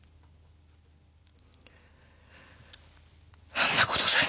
あんなことさえ。